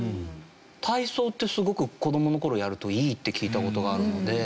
体操ってすごく子どもの頃やるといいって聞いた事があるので。